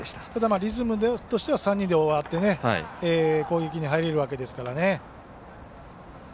リズムとしては３人で終わって攻撃に入れるわけですからね。